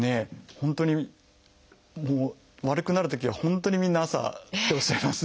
本当に悪くなるときは本当にみんな朝っておっしゃいますね。